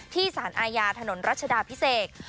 สารอาญาถนนรัชดาพิเศษ